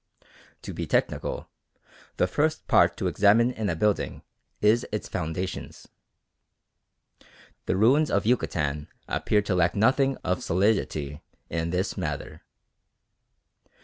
To be technical, the first part to examine in a building is its foundations. The ruins of Yucatan appear to lack nothing of solidity in this matter.